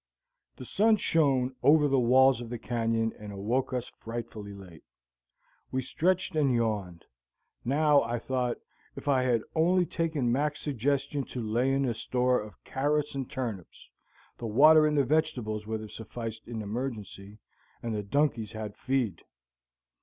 The sun shone over the walls of the canyon and awoke us frightfully late. We stretched and yawned. Now, I thought, if I had only taken Mac's suggestion to lay in a store of carrots and turnips, the water in the vegetables would have sufficed in emergency, and the donkeys had feed.